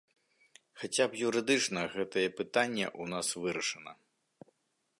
Хаця б юрыдычна гэтае пытанне ў нас вырашана.